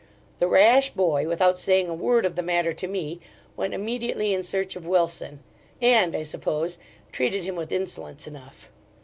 The rash boy, without saying a word of the matter to me, went immediately in search of Wilson; and, I suppose, treated him with insolence enough.